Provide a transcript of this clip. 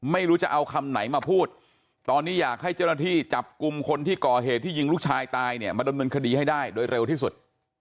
ไม่รู้จะเอาคำไหนมาพูดตอนนี้อยากให้เจ้าหน้าที่จับกลุ่มคนที่ก่อเหตุที่ยิงลูกชายตายเนี่ยมาดำเนินคดีให้ได้โดยเร็วที่สุด